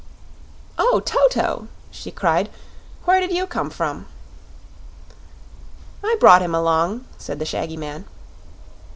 "O, Toto!" she cried; "where did you come from?" "I brought him along," said the shaggy man.